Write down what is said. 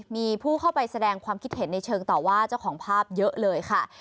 มีผู้เข้าไปแสดงความคิดเห็นในเชิงต่อว่าเจ้าของภาพเยอะเลยค่ะ